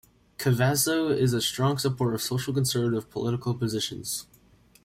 Cavasso is a strong supporter of social conservative political positions.